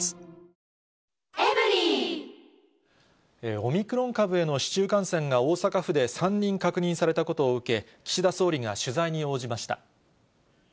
オミクロン株への市中感染が大阪府で３人確認されたことを受け、岸田総理が取材に応じました。